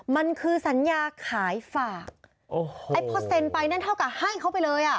มันคือสัญญาขายฝากไอ้ไปนั่นเท่ากับให้เขาไปเลย